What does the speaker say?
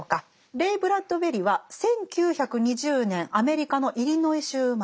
レイ・ブラッドベリは１９２０年アメリカのイリノイ州生まれです。